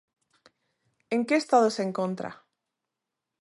En que estado se encontra?